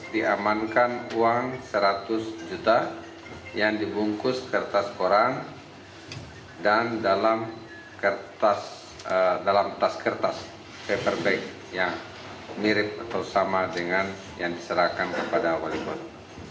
diamankan uang seratus juta yang dibungkus kertas koran dan dalam kertas dalam tas kertas paperbag yang mirip atau sama dengan yang diserahkan kepada wali kota